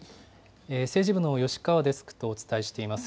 政治部のよしかわデスクとお伝えしています。